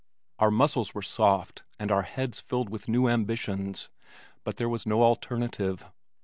Our muscles were soft and our heads filled with new ambitions but there was no alternative.